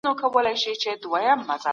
ایا هغه څوک به د شفاعت مستحق وي؟